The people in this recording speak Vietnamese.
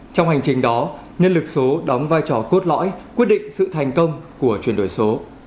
trong hành trình đó nhân lực số đóng vai trò cốt lõi quyết định sự thành công của chuyển đổi số